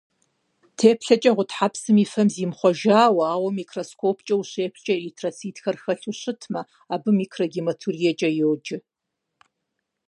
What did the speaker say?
Теплъэкӏэ гъутхьэпсым и фэм зимыхъуэжауэ, ауэ микроскопкӏэ ущеплъкӏэ эритроцитхэр хэлъу щытмэ, абы микрогематуриекӏэ йоджэ.